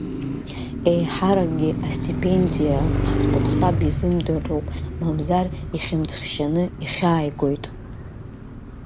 Еиҳаракгьы астипендиа аӡбахә саб изымдырроуп, мамзар ихьымӡӷшьаны, ихьааигоит.